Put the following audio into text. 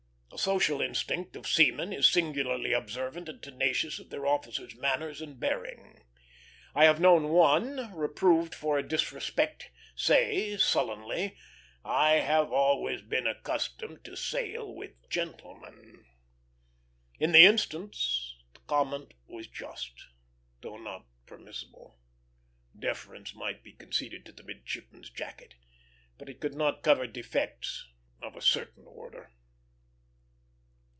The social instinct of seamen is singularly observant and tenacious of their officers' manners and bearing. I have known one, reproved for a disrespect, say, sullenly: "I have always been accustomed to sail with gentlemen." In the instance the comment was just, though not permissible. Deference might be conceded to the midshipman's jacket, but it could not cover defects of a certain order.